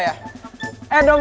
ya udah aja